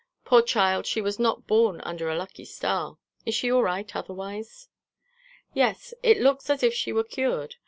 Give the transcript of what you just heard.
Poor child, she was not born under a lucky star! Is she all right otherwise?" "Yes, it looks as if she were cured.